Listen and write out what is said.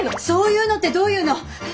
そういうのってどういうの？